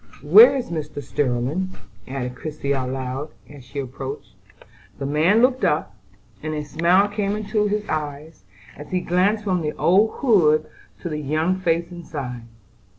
"Where is Mr. Sterling?" added Christie aloud, as she approached. The man looked up, and a smile came into his eyes, as he glanced from the old hood to the young face inside.